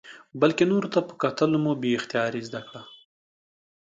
بلکې نورو ته په کتلو مو بې اختیاره زده کړې ده.